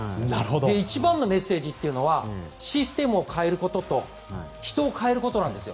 一番のメッセージはシステムを変えることと人を代えることなんですよ。